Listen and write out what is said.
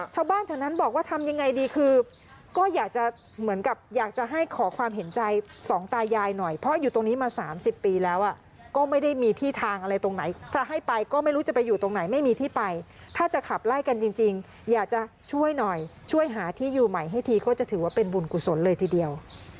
ชาวบ้านแถวนั้นบอกว่าทำยังไงดีคือก็อยากจะเหมือนกับอยากจะให้ขอความเห็นใจสองตายายหน่อยเพราะอยู่ตรงนี้มา๓๐ปีแล้วก็ไม่ได้มีที่ทางอะไรตรงไหนจะให้ไปก็ไม่รู้จะไปอยู่ตรงไหนไม่มีที่ไปถ้าจะขับไล่กันจริงอยากจะช่วยหน่อยช่วยหาที่อยู่ใหม่ให้ทีก็จะถือว่าเป็นบุญกุศลเลยทีเดียว